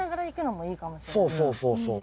そうそうそうそう。